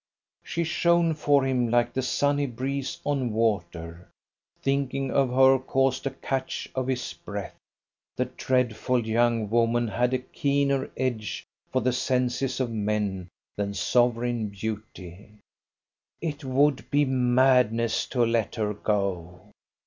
She shone for him like the sunny breeze on water. Thinking of her caused a catch of his breath. The dreadful young woman had a keener edge for the senses of men than sovereign beauty. It would be madness to let her go.